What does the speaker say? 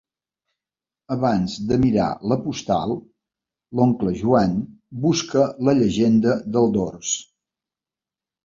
Abans de mirar la postal, l'oncle Joan busca la llegenda del dors.